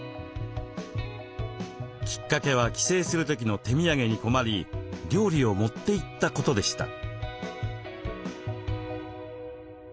きっかけは帰省する時の手土産に困り料理を持っていったことでした。